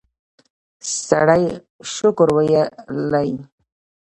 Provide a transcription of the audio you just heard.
سړی شکر ویلی.